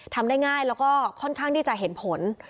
ทำได้ง่ายแล้วก็ค่อนข้างที่จะเห็นผล